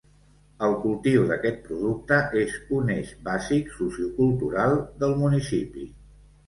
El cultiu d’aquest producte és un eix bàsic sociocultural del municipi.